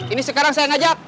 ini sekarang saya ngajak